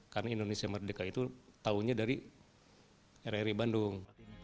karena indonesia merdeka itu taunya dari rri bandung